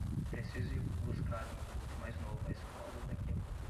Preciso ir buscar o meu puto mais novo à escola daqui a pouco.